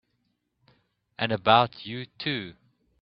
And about you too!